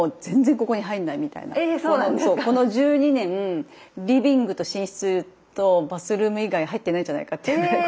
えそうなんですか⁉そうこの１２年リビングと寝室とバスルーム以外入ってないんじゃないかっていうぐらい。